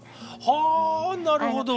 はあなるほど。